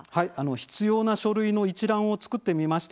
必要な書類の一覧を作ってみました。